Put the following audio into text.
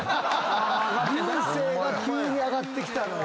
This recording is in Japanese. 青が急に上がってきたのよ。